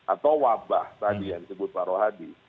atau wabah tadi yang disebut pak rohadi